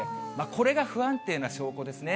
これが不安定な証拠ですね。